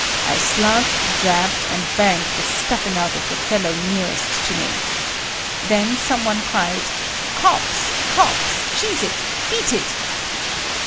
I slugged, jabbed and banged the stuffing out of the fellow nearest to me. Then some one cried, "Cops! Cops! Cheese it! Beat it!"